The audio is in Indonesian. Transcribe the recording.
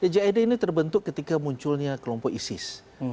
jad ini terbentuk ketika munculnya kelompok isis